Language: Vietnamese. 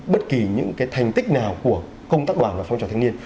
bất kỳ những thành tích nào của công tác đoàn và phong trào thanh niên